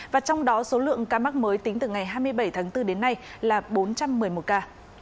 và trong đó số lượng ca mắc mới tính từ ngày hai mươi bảy tháng bốn đến nay là bốn trăm một mươi một ca